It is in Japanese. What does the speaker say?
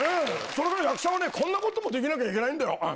それから役者はこんなこともできなきゃいけないんだよ。